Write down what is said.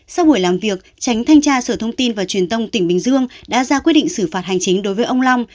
sau buổi làm việc tránh thanh tra sở thông tin và truyền thông tỉnh bình dương đã ra quyết định xử phạt hành chính đối với ông long